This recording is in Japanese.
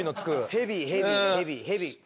ヘビヘビヘビヘビ。